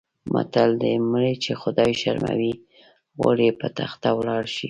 متل دی: مړی چې خدای شرموي غول یې په تخته ولاړ شي.